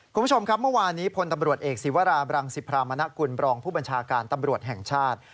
คุณผู้ชมครับเมื่อวานนี้พลตำรวจเอกศิวราบรังสิพรามณกุลบรองผู้บัญชาการตำรวจแห่งชาติ